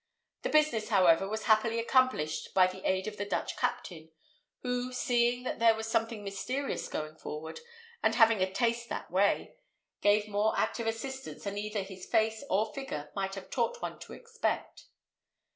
The business, however, was happily accomplished by the aid of the Dutch captain, who, seeing that there was something mysterious going forward, and having a taste that way, gave more active assistance than either his face or figure might have taught one to expect.